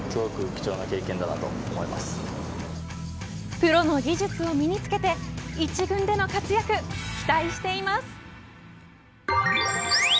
プロの技術を身に付けて１軍での活躍、期待しています。